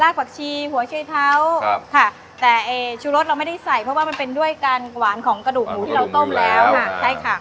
ผักชีหัวชัยเท้าครับค่ะแต่ไอ้ชูรสเราไม่ได้ใส่เพราะว่ามันเป็นด้วยการหวานของกระดูกหมูที่เราต้มแล้วค่ะใช่ค่ะ